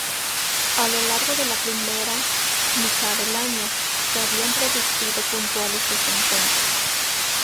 A lo largo de la primera mitad del año, se habían producido puntuales desencuentros.